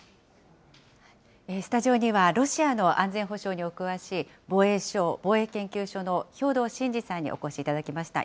スタジオにはロシアの安全保障にお詳しい、防衛省防衛研究所の兵頭慎治さんにお越しいただきました。